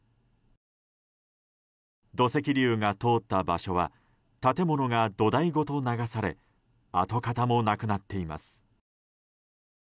土石流が通った場所は建物が度台ごと流され跡形もなくなっています。